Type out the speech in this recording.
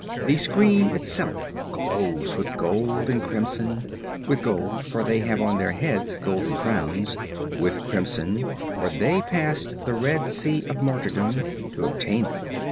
The screen itself glows with gold and crimson; with gold, for they have on their heads golden crowns; with crimson, for they passed the Red Sea of Martyrdom, to obtain them.